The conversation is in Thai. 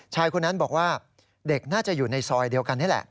ชายคนนั้นบอกว่าเด็กน่าจะอยู่ในซอยเดียวกันนี่แหละ